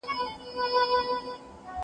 زه پرون لیکل کوم!